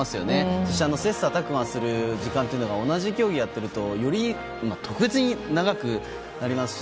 そして切磋琢磨する時間が同じ競技をやっているとより、特別に長くなりますし。